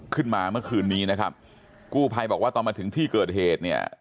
เมื่อคืนนี้นะครับกู้ภัยบอกว่าตอนมาถึงที่เกิดเหตุเนี่ย